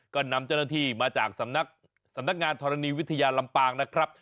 ก็นำเจ้าหน้าที่มาจากสำนักสำนักงานธรณีวิทยาลำปางนะครับ